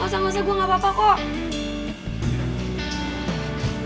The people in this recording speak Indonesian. gausah gausah gue ga apa apa kok